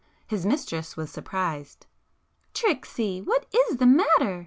His mistress was surprised. "Tricksy, what is the matter?"